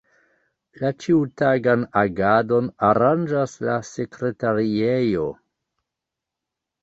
La ĉiutagan agadon aranĝas la Sekretariejo.